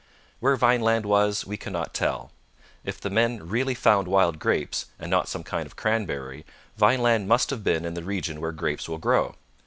Where Vineland was we cannot tell. If the men really found wild grapes, and not some kind of cranberry, Vineland must have been in the region where grapes will grow.